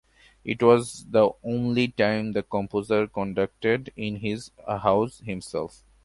It was the only time the composer conducted in his house himself.